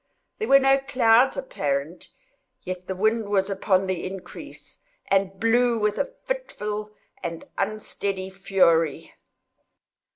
There were no clouds apparent, yet the wind was upon the increase, and blew with a fitful and unsteady fury.